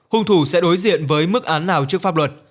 hung thủ sẽ đối diện với mức án nào trước pháp luật